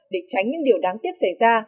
để tránh những điều đáng tiếc xảy ra